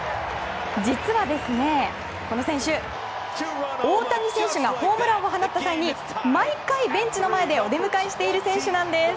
実は、この選手大谷選手がホームランを放った際に毎回、ベンチの前でお出迎えしている選手なんです。